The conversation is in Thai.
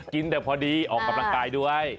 กินแต่พอดีออกกำลังกายด้วย